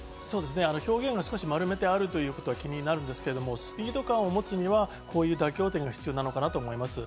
表現が少し丸めてあるところが気になるんですが、スピード感を持つには、こういう妥協点が必要なのかなと思います。